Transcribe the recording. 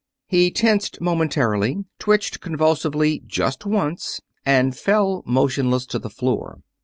He tensed momentarily, twitched convulsively just once, and fell motionless to the floor.